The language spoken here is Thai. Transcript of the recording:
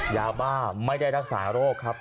ยาบ้าไม่ได้รักษาโรคครับ